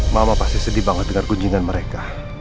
mama pasti sedih banget dengan kunjungan mereka